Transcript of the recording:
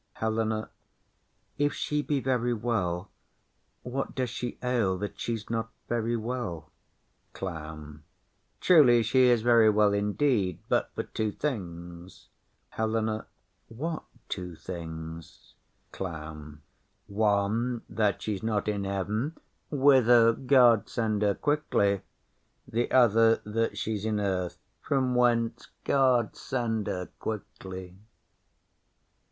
HELENA. If she be very well, what does she ail that she's not very well? CLOWN. Truly, she's very well indeed, but for two things. HELENA. What two things? CLOWN. One, that she's not in heaven, whither God send her quickly! The other, that she's in earth, from whence God send her quickly!